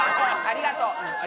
ありがとう。